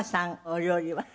お料理は？